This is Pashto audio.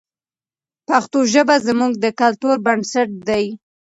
پښتو ژبه زموږ د کلتور بنسټ دی.